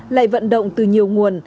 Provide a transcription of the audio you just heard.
lại vận động từ nhiều nguồn